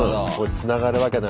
つながるわけだ。